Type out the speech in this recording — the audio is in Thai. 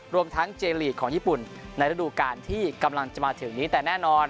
รวมทั้งเจลีกของญี่ปุ่นในระดูการที่กำลังจะมาถึงนี้แต่แน่นอน